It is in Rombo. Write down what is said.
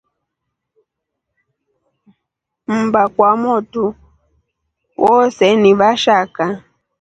Mba kwamotu voose ni vashaka.